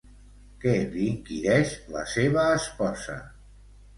Què li inquireix la seva esposa?